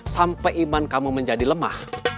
sampai iman kamu menjadi lemah